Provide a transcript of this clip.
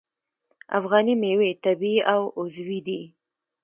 افغاني میوې طبیعي او عضوي دي.